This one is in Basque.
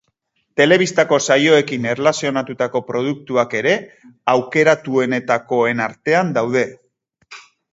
Telebistako saioekin erlazionatutako produktuak ere aukeratuenetakoen artean daude.